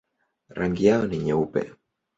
Rangi yao ni nyeupe.